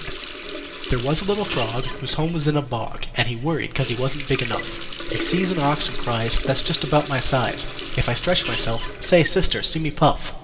There was a little Fog Whose home was in a bog, And he worried 'cause he wasn't big enough. He sees an ox and cries: "That's just about my size, If I stretch myself Say Sister, see me puff!"